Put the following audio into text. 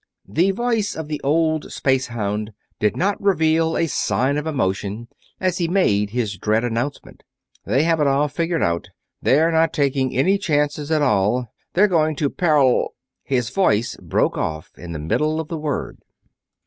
The voice of the old spacehound did not reveal a sign of emotion as he made his dread announcement. "They have it all figured out. They're not taking any chances at all they're going to paral...." His voice broke off in the middle of the word.